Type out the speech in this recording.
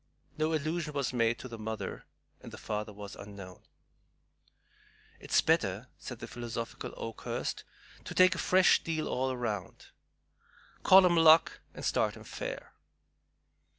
No allusion was made to the mother, and the father was unknown. "It's better," said the philosophical Oakhurst, "to take a fresh deal all round. Call him Luck, and start him fair."